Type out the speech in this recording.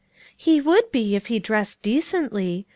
"He would be, if he dressed decently.